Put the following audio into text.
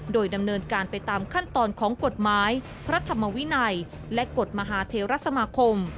โดยดำเนินการไปตามขั้นตอนของกฎหมายพระธรรมวินัยและกฎมหาเทรสมาคม